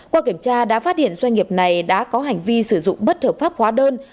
qua kiểm tra đã phát hiện doanh nghiệp này đã có hành vi sử dụng bất hợp pháp hóa đơn